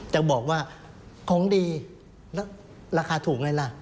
จะบอกว่าของดีแล้วราคาถูกไงล่ะ